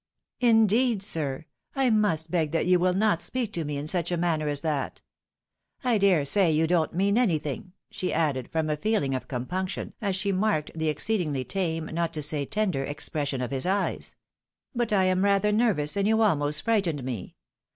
" Indeed, sir, I must beg that you will not speak to me in such a manner as that. I dare say you don't mean anything," she added, from a feeling of compunction, as she marked the exceedingly tame, not to say tender, expression of his eyes, —" but I am rather nervous, and you almost frightened me.